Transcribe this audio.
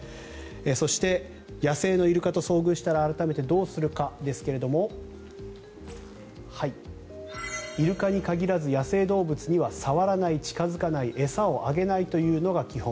そして野生のイルカと遭遇したらどうするかですがイルカに限らず野生動物には触らない、近付かない餌をあげないというのが基本。